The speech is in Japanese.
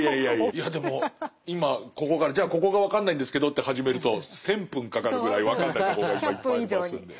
いやでも今ここからじゃあここが分かんないんですけどって始めると１，０００分かかるぐらい分かんないとこがいっぱいありますんで。